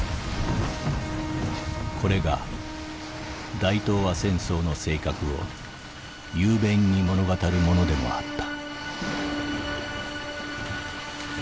「これが大東亜戦争の性格を雄弁に物語るものでもあった」。